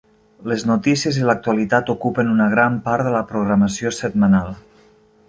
Les notícies i l'actualitat ocupen una gran part de la programació setmanal.